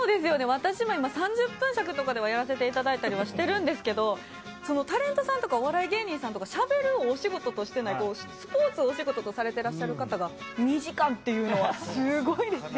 私も今、３０分尺ではやらせていただいてるんですけど、タレントさんとかお笑い芸人さんとか、しゃべるお仕事じゃなくて、スポーツをお仕事にされてる方が２時間っていうのはすごいですよね。